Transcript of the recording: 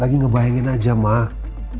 lagi ngebayangkan saja mak